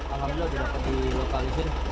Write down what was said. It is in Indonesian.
alhamdulillah sudah di lokalisir